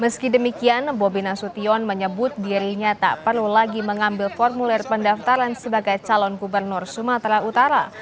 meski demikian bobi nasution menyebut dirinya tak perlu lagi mengambil formulir pendaftaran sebagai calon gubernur sumatera utara